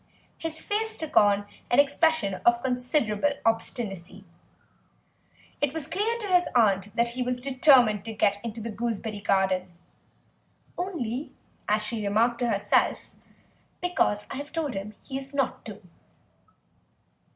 His face took on an expression of considerable obstinacy. It was clear to his aunt that he was determined to get into the gooseberry garden, "only," as she remarked to herself, "because I have told him he is not to."